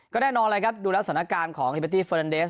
แน่นอนเลยครับดูแล้วสถานการณ์ของฮิเบตี้เฟอร์นันเดส